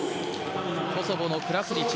コソボのクラスニチ。